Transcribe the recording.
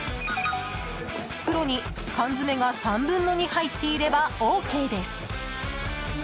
袋に缶詰が３分の２入っていればＯＫです。